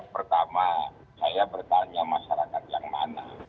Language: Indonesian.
pertama saya bertanya masyarakat yang mana